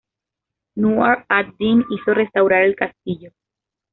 Nur ad-Din hizo restaurar el castillo.